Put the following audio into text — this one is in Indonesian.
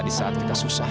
di saat kita susah